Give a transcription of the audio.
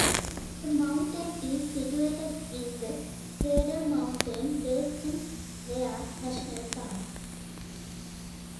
The mountain is situated in the Cradle Mountain-Lake Saint Clair National Park.